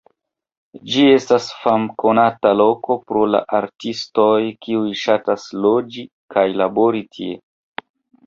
Ĝi estas famkonata loko pro la artistoj kiuj ŝatas loĝi kaj labori tie.